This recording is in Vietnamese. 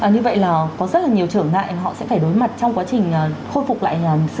như vậy là có rất là nhiều trở ngại họ sẽ phải đối mặt trong quá trình khôi phục lại